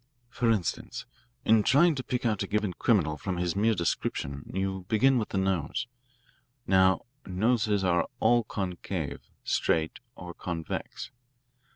For instance, in trying to pick out a given criminal from his mere description you begin with the nose. Now, noses are all concave, straight, or convex.